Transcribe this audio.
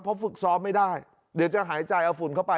เพราะฝึกซ้อมไม่ได้เดี๋ยวจะหายใจเอาฝุ่นเข้าไป